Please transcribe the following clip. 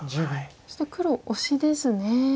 そして黒オシですね。